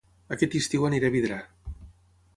Aquest estiu aniré a Vidrà